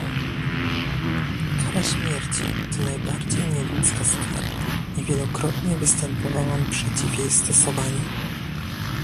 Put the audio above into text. Kara śmierci to najbardziej nieludzka z kar i wielokrotnie występowałam przeciw jej stosowaniu